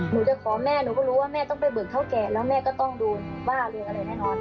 หนูจะขอแม่หนูก็รู้ว่าแม่ต้องไปเบิกเท่าแก่แล้วแม่ก็ต้องโดนบ้าเรียกอะไรแน่นอน